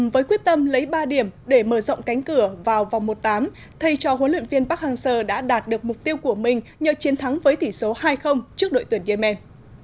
với quyết tâm lấy ba điểm để mở rộng cánh cửa vào vòng một tám thay cho huấn luyện viên park hang seo đã đạt được mục tiêu của mình nhờ chiến thắng với tỷ số hai trước đội tuyển yemen